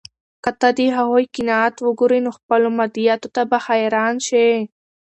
که ته د هغوی قناعت وګورې، نو خپلو مادیاتو ته به حیران شې.